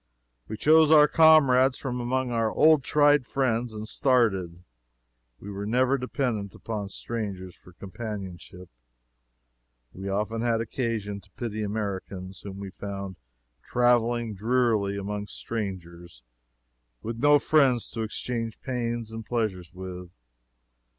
We chose our comrades from among our old, tried friends, and started. We were never dependent upon strangers for companionship. We often had occasion to pity Americans whom we found traveling drearily among strangers with no friends to exchange pains and pleasures with.